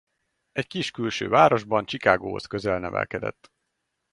Egyik kis külső városban Chicagohoz közel nevelkedett.